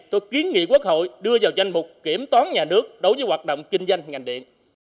tôi kiến nghị quốc hội đưa vào danh mục kiểm toán nhà nước đối với hoạt động kinh doanh ngành điện